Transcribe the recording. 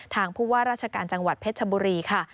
ผู้ว่าราชการจังหวัดเพชรชบุรีค่ะ